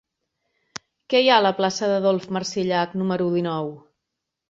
Què hi ha a la plaça d'Adolf Marsillach número dinou?